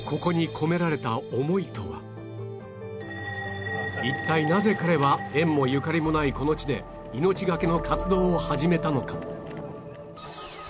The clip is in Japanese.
ここに一体なぜ彼は縁もゆかりもないこの地で命がけの活動を始めたのか？